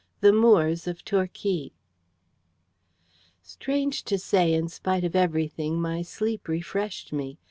THE MOORES OF TORQUAY Strange to say, in spite of everything, my sleep refreshed me.